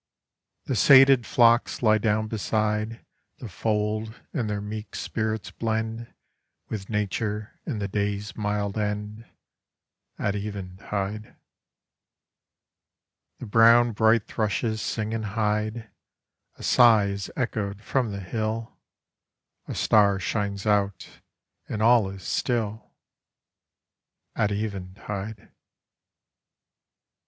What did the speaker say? The sated flocks lie down beside The fold, and their meek spirits blend With nature in the day's mild end, At even tide. The brown bright thrushes sing and hide; A sigh is echoed from the hill; A star shines out and all is still. At even tide.